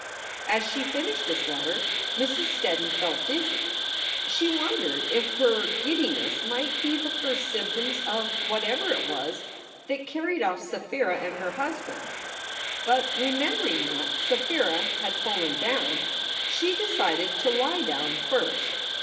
As she finished this letter Mrs. Steddon felt dizzy. She wondered if her giddiness might be the first symptoms of whatever it was that carried off Sapphira and her husband. But, remembering that Sapphira had fallen down, she decided to lie down first.